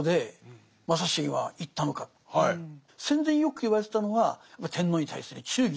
戦前よく言われてたのは天皇に対する忠義であるという。